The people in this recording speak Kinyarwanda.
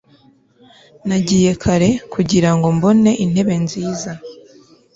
nagiye kare kugirango mbone intebe nziza